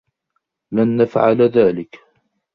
لن نفعل ذلك.